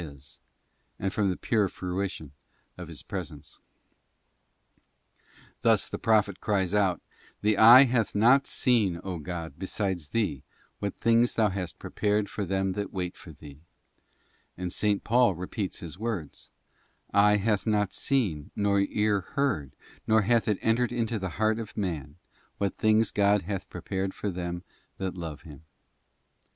is, and from the pure fruition of His Presence. ;* Heb. xi. 6, TO LOSE SELF IS TO FIND GOD. 63 Thus the Prophet cries out, 'The eye hath not seen, O God, besides Thee, what things Thou hast prepared for them that wait for Thee;'* and S. Paul repeats his words, ' Eye hath not seen, nor ear heard, neither hath it entered into the heart of man, what things God hath prepared for them that love Him.